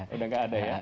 sudah tidak ada ya